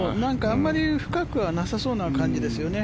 あまり深くはなさそうな感じですよね。